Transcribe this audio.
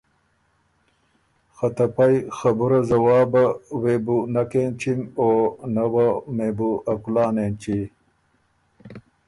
که ته پئ خبُرئ ځوابه وې بو نک اېنچِم او نۀ وه مې سو ا کُلان اېنچی۔